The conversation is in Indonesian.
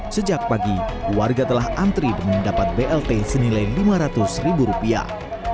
sejak pagi warga telah antri demi mendapat blt senilai lima ratus ribu rupiah